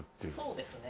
そうですね。